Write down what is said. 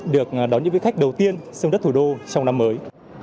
được đón những vị khách đầu tiên sông đất thủ đô trong năm mới